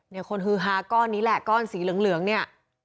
เนี่ยคนฮือฮาก้อนนี้แหละก้อนสีเหลืองเหลืองเนี่ย